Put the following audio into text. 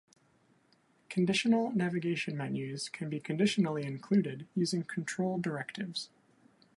Conditional navigation menus can be conditionally included using control directives.